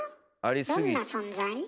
どんな存在？